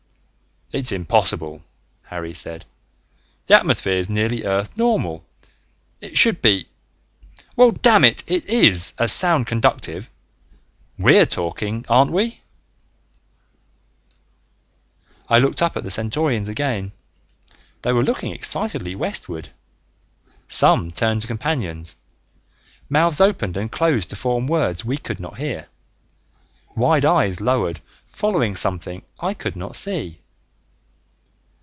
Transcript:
"It's impossible," Harry said. "The atmosphere's nearly Earth normal. It should be well, damn it, it is as sound conductive; we're talking, aren't we?" I looked up at the Centaurians again. They were looking excitedly westward. Some turned to companions. Mouths opened and closed to form words we could not hear. Wide eyes lowered, following something I could not see.